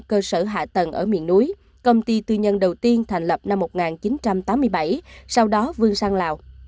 cơ sở hạ tầng ở miền núi công ty tư nhân đầu tiên thành lập năm một nghìn chín trăm tám mươi bảy sau đó vương sang lào